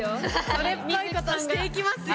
それっぽいことしていきますよ。